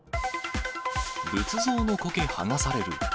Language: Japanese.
仏像のこけ、剥がされる。